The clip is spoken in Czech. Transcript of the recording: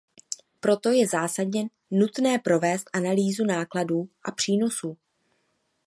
Proto je zásadně nutné provést analýzu nákladů a přínosů.